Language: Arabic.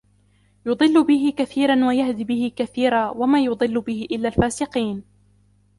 ۘ يُضِلُّ بِهِ كَثِيرًا وَيَهْدِي بِهِ كَثِيرًا ۚ وَمَا يُضِلُّ بِهِ إِلَّا الْفَاسِقِينَ